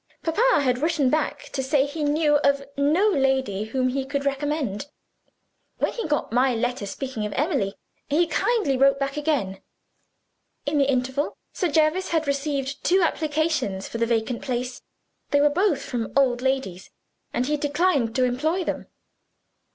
Papa had written back to say he knew of no lady whom he could recommend. When he got my letter speaking of Emily, he kindly wrote again. In the interval, Sir Jervis had received two applications for the vacant place. They were both from old ladies and he declined to employ them."